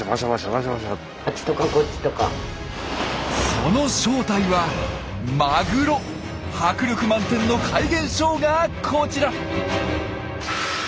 その正体は迫力満点の怪現象がこちら！